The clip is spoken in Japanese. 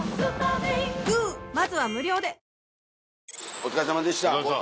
お疲れさまでした。